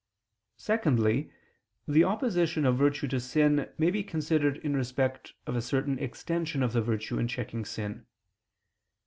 Secondly, the opposition of virtue to sin may be considered in respect of a certain extension of the virtue in checking sin.